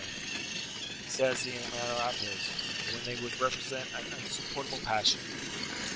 ] say the Innamoratos, when they would represent an 'insupportable passion.